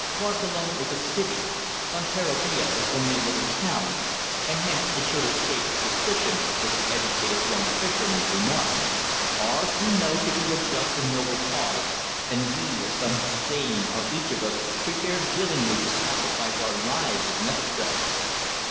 "Barcelona is a city, Fonterrabia is only a little town, and hence it should escape suspicion," was the educated young fisherman's remark. "Ours we know to be a just and honest cause, and we all, as sons of Spain, are each of us prepared willingly to sacrifice our lives if necessary."